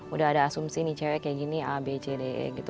udah ada asumsi nih cewek kayak gini a b c d e gitu